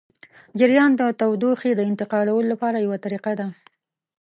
جریان د تودوخې د انتقالولو لپاره یوه طریقه ده.